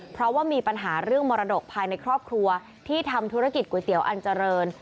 เพราะว่ามีปัญหาเรื่องมรดกภายในครอบครัวที่ทำธุรกิจก๋วยเตี๋ยวอันเจริญ